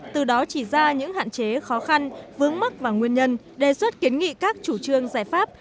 từ đó chỉ ra những hạn chế khó khăn vướng mắt và nguyên nhân đề xuất kiến nghị các chủ trương giải pháp